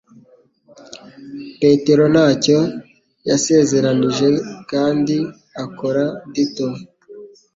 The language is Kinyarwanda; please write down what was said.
Petero ntacyo yasezeranije kandi akora ditto